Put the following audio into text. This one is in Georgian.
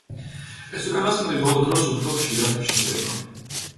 ეს უკანასკნელი ბოლო დროს უფრო ხშირად ჩნდება.